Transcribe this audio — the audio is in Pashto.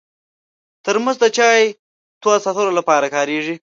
ترموز د چای تود ساتلو لپاره کارېږي.